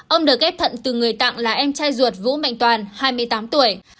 ông được kép thận từ người tạng là em trai ruột vũ mạnh toàn hai mươi tám tuổi